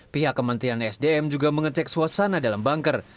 pihak kementerian sdm juga mengecek suasana dalam banker